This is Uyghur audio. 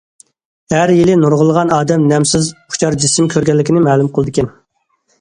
ھەر يىلى نۇرغۇنلىغان ئادەم نامسىز ئۇچار جىسىم كۆرگەنلىكىنى مەلۇم قىلىدىكەن.